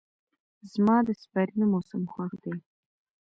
زما د سپرلي موسم خوښ دی.